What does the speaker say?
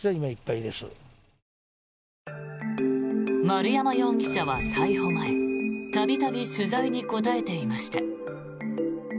丸山容疑者は逮捕前度々取材に答えていました。